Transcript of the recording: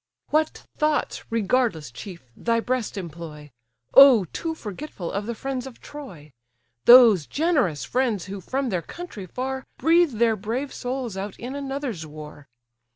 "What thoughts, regardless chief! thy breast employ? Oh too forgetful of the friends of Troy! Those generous friends, who, from their country far, Breathe their brave souls out in another's war.